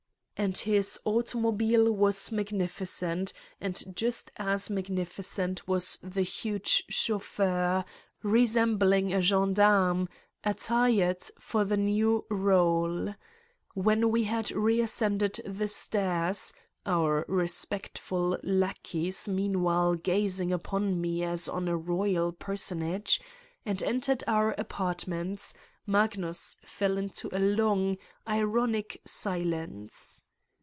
And his automobile was magnificent and just as magnificent was the huge chauffeur, resembling a gendarme, attired for the new role. When we had reascended the stairs (our respectful lackeys meanwhile gazing upon me as on a royal person age) and entered our apartments, Magnus fell in to a long, ironic silence.